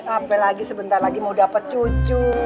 apalagi sebentar lagi mau dapat cucu